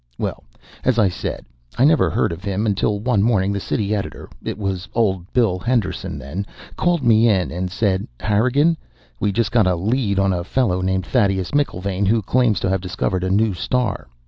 Well, as I said, I never heard of him until one morning the city editor it was old Bill Henderson then called me in and said, 'Harrigan, we just got a lead on a fellow named Thaddeus McIlvaine who claims to have discovered a new star.